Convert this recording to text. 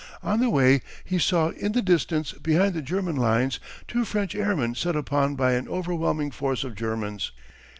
On the way he saw in the distance behind the German lines two French airmen set upon by an overwhelming force of Germans.